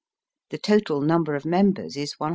The total number of members is 127,294.